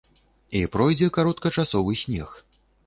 І пройдзе кароткачасовы снег.